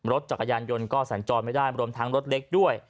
รถจักรยานยนต์ก็สัญจรไม่ได้รวมทั้งรถเล็กด้วย